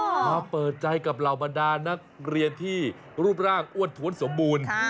มาเปิดใจกับเหล่าบรรดานักเรียนที่รูปร่างอ้วนท้วนสมบูรณ์